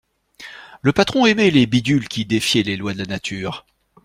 Le patron aimait les bidules qui défiaient les lois de la nature.